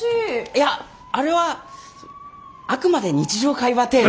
いやあれはあくまで日常会話程度。